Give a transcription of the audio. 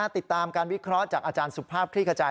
ติดตามการวิเคราะห์จากอาจารย์สุภาพคลี่ขจาย